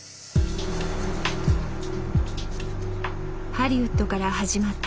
ハリウッドから始まった＃